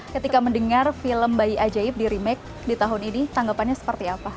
ketika mendengar film bayi ajaib di remake di tahun ini tanggapannya seperti apa